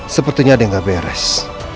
sepertinya ada yang gak beres